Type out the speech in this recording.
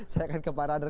saya akan ke pak raner